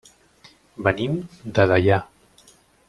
Venim de Deià.